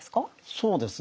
そうですね